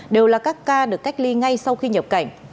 đều là các ca được cách ly ngay sau khi nhập cảnh